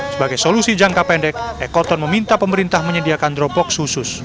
sebagai solusi jangka pendek ekoton meminta pemerintah menyediakan dropox khusus